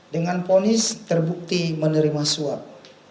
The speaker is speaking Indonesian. dengan ponis terbukti menerima suap